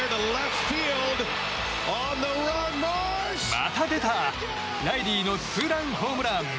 また出たライリーのツーランホームラン！